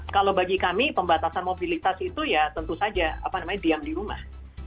kalau bagi kami pembatasan mobilitas itu ya tentu saja apa namanya diam di rumah